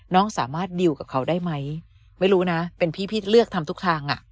น้องสามารถดิวกับเขาได้ไหมไม่รู้นะเป็นพี่พี่เลือกทำทุกทางอ่ะ